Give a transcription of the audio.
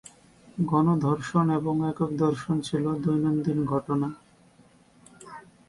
গণধর্ষণ এবং একক ধর্ষণ ছিল দৈনন্দিন ঘটনা।